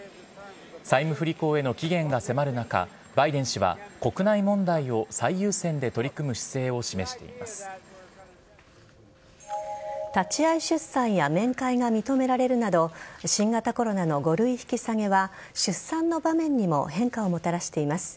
債務不履行への期限が迫る中バイデン氏は国内問題を最優先で立ち会い出産や面会が認められるなど新型コロナの５類引き下げは出産の場面にも変化をもたらしています。